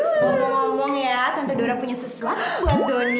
ngomong ngomong ya tante dora punya sesuatu buat doni